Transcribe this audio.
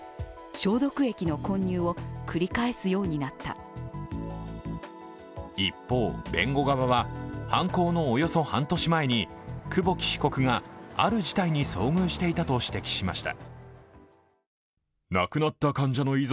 検察側は一方、弁護側は犯行のおよそ半年前に久保木被告がある事態に遭遇していたと指摘しました。